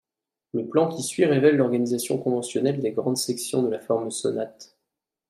Le plan qui suit révèle l'organisation conventionnelle des grandes sections de la forme sonate.